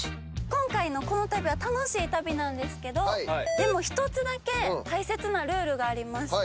今回のこの旅は楽しい旅なんですけどでも１つだけ大切なルールがあります。